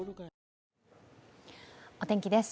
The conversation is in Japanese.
お天気です。